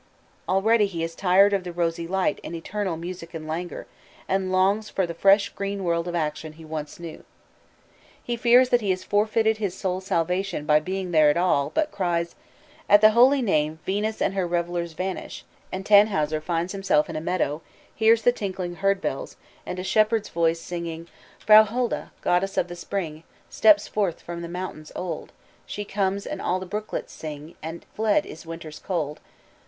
Already he is tired of the rosy light and eternal music and languor, and longs for the fresh green world of action he once knew. He fears that he has forfeited his soul's salvation by being there at all, but cries, "Salvation rests for me in Mary!" WAGNER: Tannhäuser. At the holy name Venus and her revellers vanish, and Tannhäuser finds himself in a meadow, hears the tinkling herd bells, and a shepherd's voice singing, "Frau Holda, goddess of the spring, Steps forth from the mountains old; She comes, and all the brooklets sing, And fled is winter's cold.